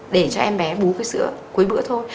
để cho em bé bú sữa cuối bữa thôi